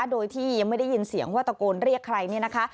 โดยที่ยังไม่ได้ยินเสียงว่าตะโกนเรียกใครเนี่ยนะคะ